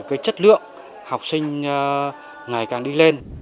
cái chất lượng học sinh ngày càng đi lên